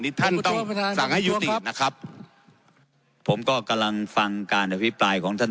ท่านต้องสั่งให้ยุตินะครับผมก็กำลังฟังการอภิปรายของท่าน